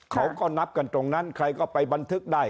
เขาก็นับกันตรงนั้นใครก็ไปบันทึกได้